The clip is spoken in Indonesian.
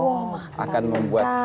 oh makin serius kali